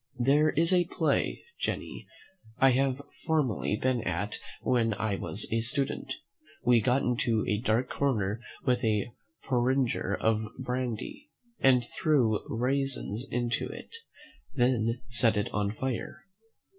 There is a play, Jenny, I have formerly been at when I was a student; we got into a dark corner with a porringer of brandy, and threw raisins into it, then set it on fire.